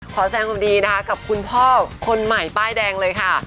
แสดงความดีนะคะกับคุณพ่อคนใหม่ป้ายแดงเลยค่ะ